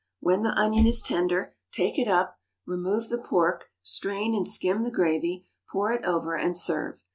When the onion is tender, take it up, remove the pork, strain and skim the gravy, pour it over, and serve.